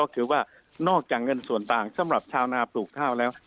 ก็คือว่านอกจากเงินส่วนต่างสำหรับชาวนาปลูกข้าวแล้ว